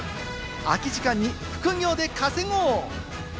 空き時間に副業で稼ごう！